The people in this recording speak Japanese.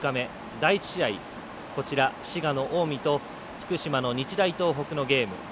第１試合、滋賀の近江と福島の日大東北のゲーム。